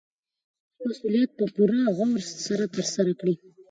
خپل مسوولیت په پوره غور سره ترسره کړئ.